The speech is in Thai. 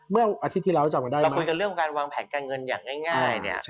เราก็คุยกับการวางแผนการเงินอย่างง่าย